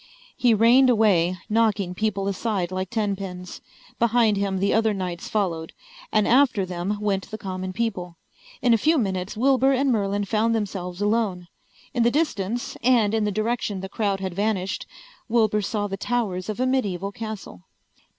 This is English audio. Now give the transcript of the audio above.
He reined away, knocking people aside like tenpins. Behind him the other knights followed, and after them went the common people. In a few minutes Wilbur and Merlin found themselves alone. In the distance, and in the direction the crowd had vanished, Wilbur saw the towers of a medieval castle.